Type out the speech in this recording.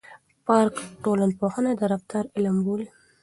پارک ټولنپوهنه د رفتار علم بولي.